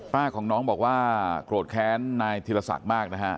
ป้าของน้องบอกว่าโกรธแค้นนายธีรศักดิ์มากนะฮะ